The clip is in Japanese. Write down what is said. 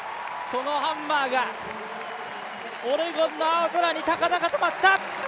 そのハンマーがオレゴンの青空に高々と舞った。